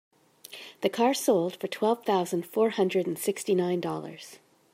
The car sold for twelve thousand four hundred and sixty nine dollars.